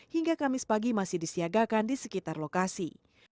hingga kamis pagi masih disiagakan di sekitar lokasi